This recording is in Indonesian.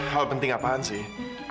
hal penting apaan sih